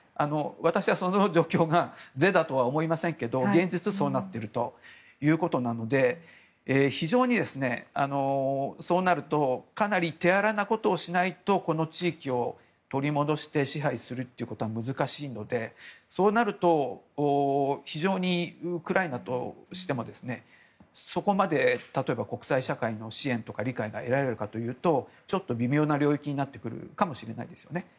私はその状況が是だとは思いませんが現実そうなっているということなのでそうなるとかなり手荒なことをしないとこの地域を取り戻して支配することは難しいので、そうなると非常にウクライナとしてもそこまで国際社会の支援とか理解が得られるかというとちょっと微妙な領域になってくるかもしれないです。